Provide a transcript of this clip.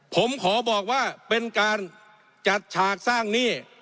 ผมขอบอกว่าเป็นการจัดฉากสร้างหนี้